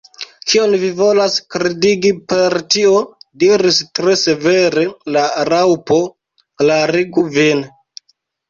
"Kion vi volas kredigi per tio?" diris tre severe la Raŭpo. "Klarigu vin."